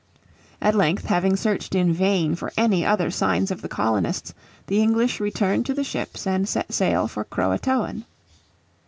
At length, having searched in vain for any other signs of the colonists, the English returned to the ships and set sail for Croatoan.